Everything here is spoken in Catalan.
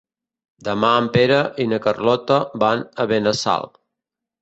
Demà en Pere i na Carlota van a Benassal.